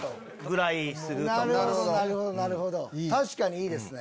確かにいいですね。